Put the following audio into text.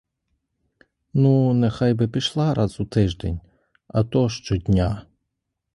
Ну, нехай би пішла раз у тиждень, а то — щодня!